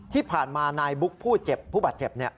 ที่ผ่านมานายบุ๊กผู้เจ็บผู้บาดเจ็บ